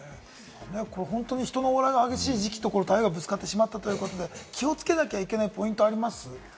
人の往来が激しい時期と台風がぶつかってしまったということで、気をつけなきゃいけないポイントはありますか？